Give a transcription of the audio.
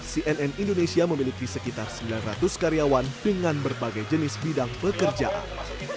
cnn indonesia memiliki sekitar sembilan ratus karyawan dengan berbagai jenis bidang pekerjaan